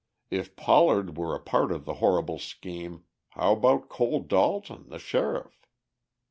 If Pollard were a part of the horrible scheme, how about Cole Dalton, the sheriff?